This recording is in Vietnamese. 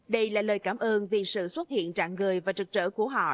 đây là lời cảm ơn vì sự xuất hiện trạng người và trực trở của họ